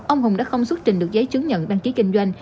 ông hùng đã không xuất trình được giấy chứng nhận đăng ký kinh doanh